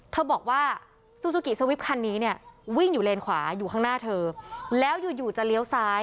เธอบอกว่าซูซูกิสวิปคันนี้เนี่ยวิ่งอยู่เลนขวาอยู่ข้างหน้าเธอแล้วอยู่อยู่จะเลี้ยวซ้าย